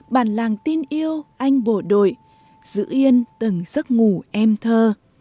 bản làng tin yêu anh bộ đội giữ yên từng giấc ngủ em thơ